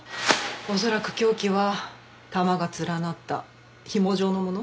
恐らく凶器は玉が連なった紐状のもの。